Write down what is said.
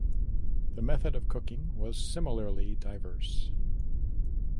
The method of cooking was similarly diverse.